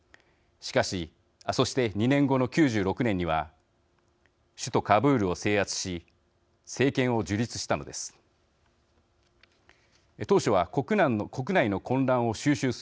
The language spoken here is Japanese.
そして、２年後の９６年には首都カブールを制圧し政権を樹立したのです。